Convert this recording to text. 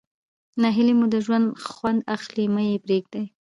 ناهلي مو د ژوند خوند اخلي مه ئې پرېږدئ.